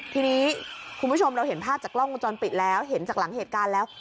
ทีนี้คุณผู้ชมเราเห็นภาพจากกล้องวงจรปิดแล้วเห็นจากหลังเหตุการณ์แล้ว